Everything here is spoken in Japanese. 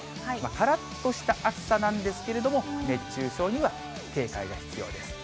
からっとした暑さなんですけれども、熱中症には警戒が必要です。